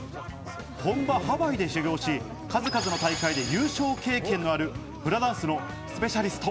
本場ハワイで修行し、数々の大会で優勝経験のあるフラダンスのスペシャリスト。